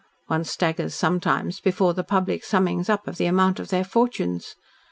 One staggers sometimes before the public summing up of the amount of their fortunes.